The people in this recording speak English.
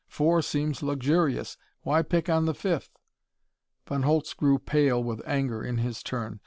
Four seems luxurious. Why pick on the fifth?" Von Holtz grew pale with anger in his turn.